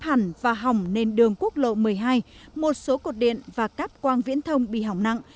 hẳn và hồng nên đường quốc lộ một mươi hai một số cột điện và các quang viễn thông bị hỏng nặng